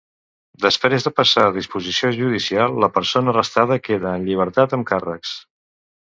Després de passar a disposició judicial, la persona arrestada queda en llibertat amb càrrecs.